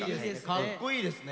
かっこいいですね。